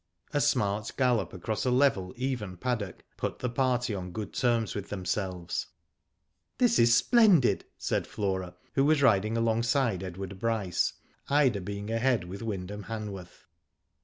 A smart gallop across a level, even paddock put the party on good terms with themselves. " This is splendid/' said Flora, who was riding alongside Edward Bryce, Ida being ahead with Wyndham Hanworth.